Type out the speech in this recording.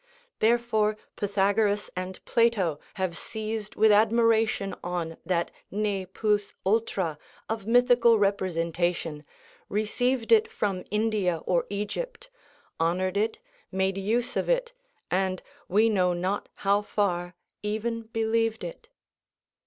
Therefore Pythagoras and Plato have seized with admiration on that ne plus ultra of mythical representation, received it from India or Egypt, honoured it, made use of it, and, we know not how far, even believed it.